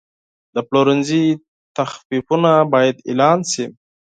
د پلورنځي تخفیفونه باید اعلان شي.